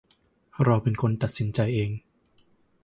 เราเป็นคนตัดสินใจเอง